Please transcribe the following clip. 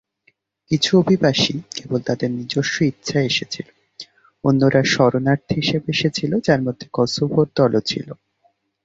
কিছু অভিবাসী কেবল তাদের নিজস্ব ইচ্ছায় এসেছিল; অন্যরা শরণার্থী হিসেবে এসেছিল, যার মধ্যে কসোভোর দলও ছিল।